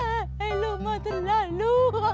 eh lu mati lalu